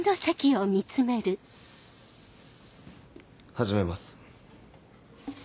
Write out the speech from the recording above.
始めます。